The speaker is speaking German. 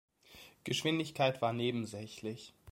Geschwindigkeit war nebensächlich.